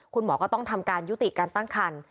คุณหมอก็ต้องทำการยุติการตั้งคัน